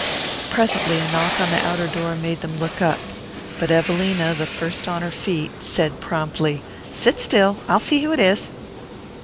Presently a knock on the outer door made them look up; but Evelina, the first on her feet, said promptly: "Sit still. I'll see who it is."